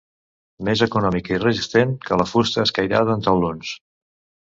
Més econòmica i resistent que la fusta escairada en taulons.